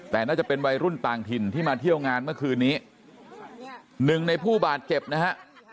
แต่น่าจะเป็นวัยรุ่นต่างถิ่นที่มาเที่ยวงานเมื่อคืนนี้หนึ่งในผู้บาดเจ็บนะฮะ